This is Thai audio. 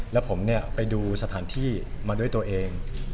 แล้วผมไปดูสถานที่มาด้วยตัวเอง